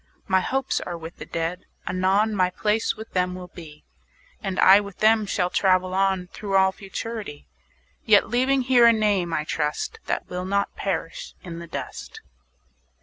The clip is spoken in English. My hopes are with the Dead; anon My place with them will be, 20 And I with them shall travel on Through all Futurity; Yet leaving here a name, I trust, That will not perish in the dust.